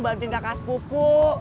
bantuin kakas pupu